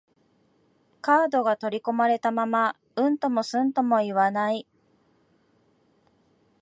カードが取り込まれたまま、うんともすんとも言わない